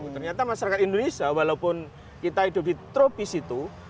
ternyata masyarakat indonesia walaupun kita hidup di tropis itu